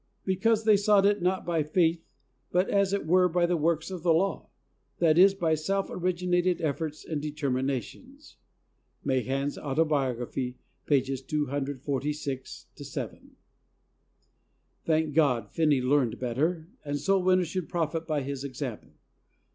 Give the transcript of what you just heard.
Because they sought it not by faith, but as it were by the works of the law ;' that is, by self originated efforts and deter minations." (Mahan's Autobiography, pages 246 7.) Thank God, Finney learned better, and soul winners should profit by his example.